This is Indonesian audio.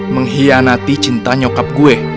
menghianati cinta nyokap gue